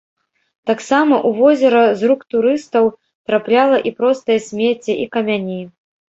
Таксама ў возера з рук турыстаў трапляла і проста смецце, і камяні.